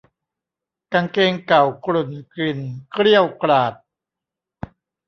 กางเกงเก่ากรุ่นกลิ่นเกรี้ยวกราด